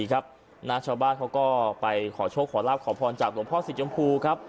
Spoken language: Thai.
ชาวบ้านเขาก็ไปขอโชคขอลาบขอพรจากหลวงพ่อสิทธยมพูครับ